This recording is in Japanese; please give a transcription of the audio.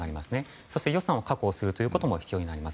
そして予算を確保することも必要になります。